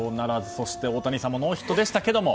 そして大谷さんもノーヒットでしたけれども。